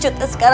jadi ini dia apa